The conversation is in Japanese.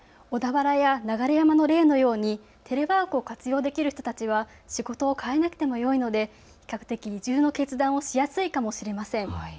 小田原や流山の例のようにテレワークを活用できる人たちは、仕事を変えなくてもよいので、比較的、移住の決断をしやすいかもしれません。